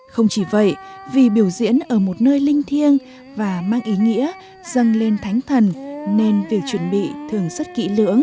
không chỉ vậy vì biểu diễn ở một nơi linh thiêng và mang ý nghĩa dâng lên thánh thần nên việc chuẩn bị thường rất kỹ lưỡng